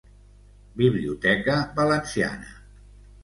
Biblioteca Valenciana.